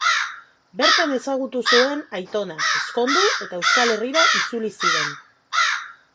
Bertan ezagutu zuen aitona, ezkondu, eta Euskal Herrira itzuli ziren.